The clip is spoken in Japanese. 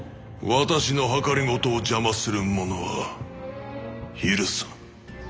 私のはかりごとを邪魔する者は許さん。